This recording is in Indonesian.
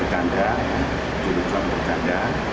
jadinya berkandar judulnya berkandar